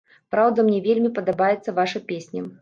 Праўда, мне вельмі падабаецца ваша песня.